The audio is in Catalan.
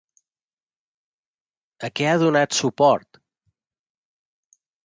A què ha donat suport?